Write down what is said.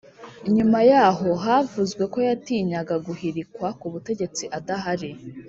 nyuma yaho havuzwe ko yatinyaga guhirikwa ku butegetsi adahari.